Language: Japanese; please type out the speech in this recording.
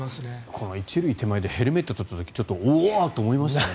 この１塁手前でヘルメットを取った時ちょっと、おお！って思いましたもんね。